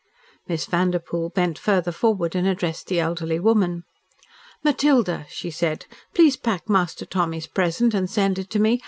Miss Vanderpoel bent further forward and addressed the elderly woman. "Matilda," she said, "please pack Master Tommy's present and send it to me!